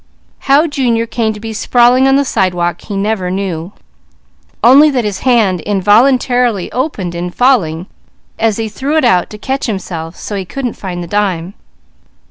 How Junior came to be sprawling on the sidewalk he never knew; only that his hand involuntarily opened in falling and he threw it out to catch himself, so he couldn't find the dime.